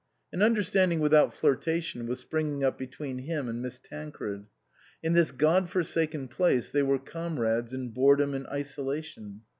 An understanding without flirtation was springing up between him and Miss Tancred. In this God forsaken place they were comrades in boredom and isolation.